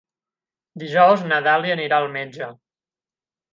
Dijous na Dàlia anirà al metge.